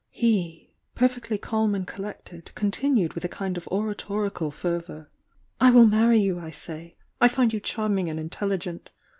He, perfectly calm and collected, con tinued with a kind of oratorical fervour: "I will marry you, I say! I find you oharming and intelligent.